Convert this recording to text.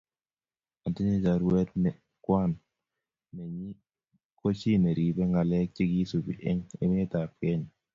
Atinye choruet ne kwaan nenyi ko chi neribe ngalek chegisubi eng emetab